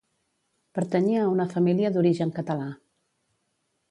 Pertanyia a una família d'origen català.